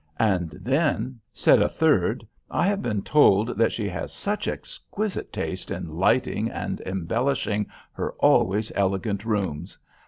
"And then," said a third, "I have been told that she has such exquisite taste in lighting and embellishing her always elegant rooms.